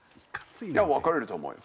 いや別れると思うよ。